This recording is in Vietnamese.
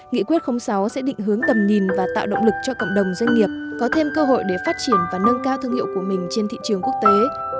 nghị quyết sáu sẽ định hướng tầm nhìn và tạo động lực cho cộng đồng doanh nghiệp có thêm cơ hội để phát triển và nâng cao thương hiệu của mình trên thị trường quốc tế